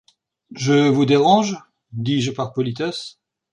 Je vous dérange ? dis-je par politesse.